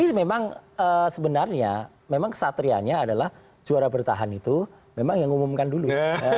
tapi memang sebenarnya memang kesatria nya adalah juara bertahan itu memang yang ngumumkan dulu